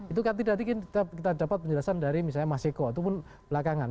itu kan tidak kita dapat penjelasan dari misalnya mas eko ataupun belakangan